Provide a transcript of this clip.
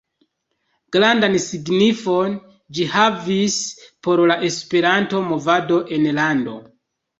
Grandan signifon ĝi havis por la Esperanto-movado en la lando.